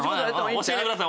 教えてください。